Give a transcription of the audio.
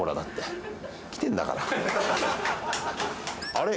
あれ？